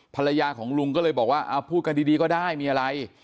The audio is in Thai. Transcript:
ภรรยาของลุงก็เลยบอกว่าเอาพูดกันดีก็ได้มีอะไร